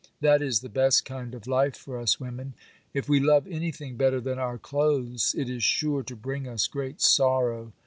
That is the best kind of life for us women; if we love anything better than our clothes, it is sure to bring us great sorrow.